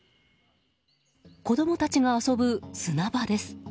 子供たちが遊ぶ砂場です。